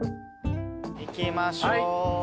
行きましょう。